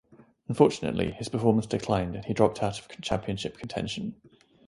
Unfortunately, his performance declined and he dropped out of championship contention.